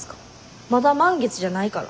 まだ満月じゃないから。